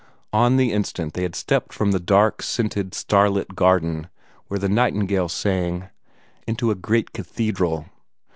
On the instant they had stepped from the dark, scented, starlit garden, where the nightingale sang, into a great cathedral.